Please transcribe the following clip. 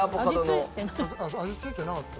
そう味付いてなかった。